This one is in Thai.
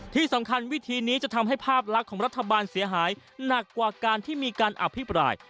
ที่สำคัญวิธีนี้จะทำให้ภาพลักษณ์ของรัฐบาลเสียหายหนักกว่าการที่มีการอภิปราย